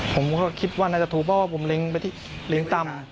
ผมก็คิดว่าน่าจะถูกเพราะว่าผมเล้งไปที่เลี้ยต่ำ